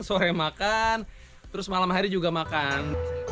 sore makan terus malam hari juga makan